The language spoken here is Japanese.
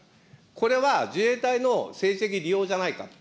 これは自衛隊の政治的利用じゃないか。